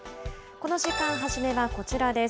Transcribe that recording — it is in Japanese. この時間、初めはこちらです。